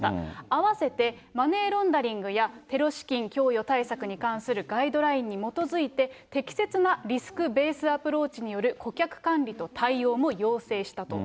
併せて、マネーロンダリングやテロ資金供与対策に関するガイドラインに基づいて、適切なリスク・ベースアプローチによる顧客管理と対応も要請したと。